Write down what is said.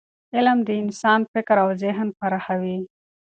علم د انسان فکر او ذهن پراخوي.